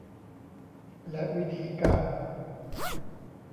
และวิธีการ